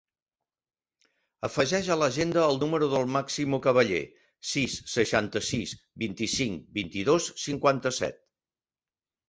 Afegeix a l'agenda el número del Máximo Caballe: sis, seixanta-sis, vint-i-cinc, vint-i-dos, cinquanta-set.